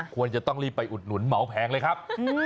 ควรจะต้องรีบไปอุดหนุนเหมาแผงเลยครับ